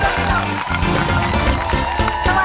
เกมรับจำนำ